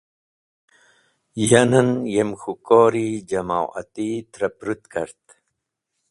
Yanen yem k̃hu kor-e jam’oati trẽ pũrũt kart.